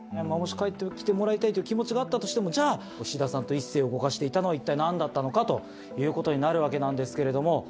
帰って来てもらいたいという気持ちがあったとしてもじゃあ菱田さんと一星を動かしていたのは一体何だったのかということになるわけなんですけれども。